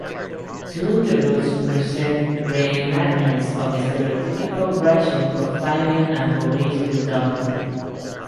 Two interludes present re-enactments of stereotypical racial profiling and police brutality.